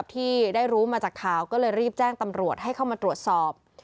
ที่ได้รู้มาจากข่าวก็เลยรีบแจ้งตำรวจให้เข้ามาตรวจสอบ